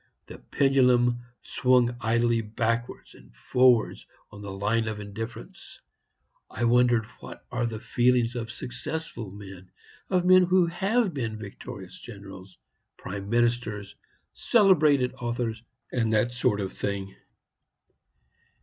The pendulum swung idly backwards and forwards on the line of Indifference. I wonder what are the feelings of successful men of men who HAVE been victorious generals, prime ministers, celebrated authors, and that sort of tiling!